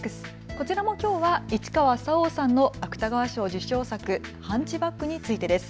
こちらもきょうは市川沙央さんの芥川賞受賞作、ハンチバックについてです。